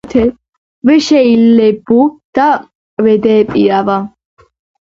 ვეშეილებუ-და ვედეპირავა